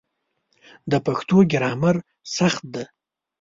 د پښتو ګرامر سخت ده